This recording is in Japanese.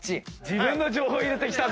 自分の情報入れてきた。